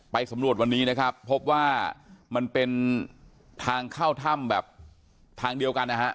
สำรวจวันนี้นะครับพบว่ามันเป็นทางเข้าถ้ำแบบทางเดียวกันนะฮะ